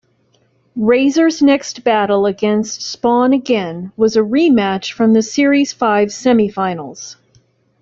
Razer's next battle against "Spawn Again" was a rematch from the series five semi-finals.